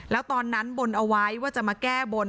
แล้วตอนนั้นบนเอาไว้ว่าจะมาแก้บน